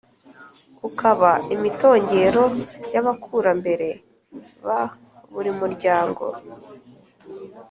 ukaba imitongero y’abakurambere ba buri muryango